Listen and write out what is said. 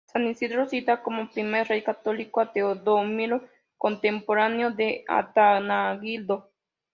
San Isidoro cita como primer rey católico a Teodomiro, contemporáneo de Atanagildo.